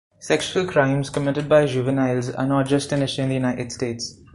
Sexual crimes committed by juveniles are not just an issue in the United States.